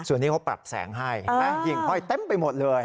ส่วนนี้เขาปรับแสงให้เห็นไหมยิงห้อยเต็มไปหมดเลย